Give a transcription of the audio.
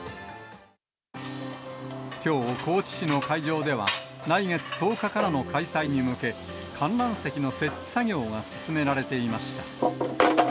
きょう、高知市の会場では、来月１０日からの開催に向け、観覧席の設置作業が進められていました。